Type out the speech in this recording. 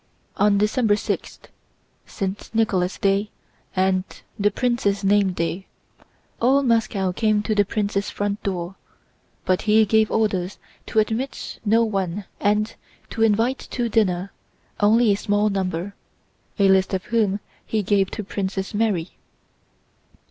On December 6—St. Nicholas' Day and the prince's name day—all Moscow came to the prince's front door but he gave orders to admit no one and to invite to dinner only a small number, a list of whom he gave to Princess Mary.